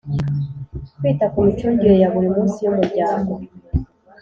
kwita ku micungire ya buri munsi y umuryango